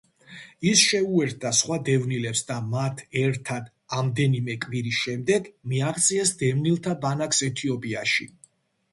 ის შეუერთდა სხვა დევნილებს და მათ ერთად, ამდენიმე კვირის შემდეგ, მიაღწიეს დევნილთა ბანაკს ეთიოპიაში.